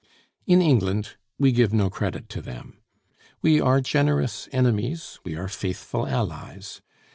In England, we give no credit to them. We are generous enemies: we are faithful allies.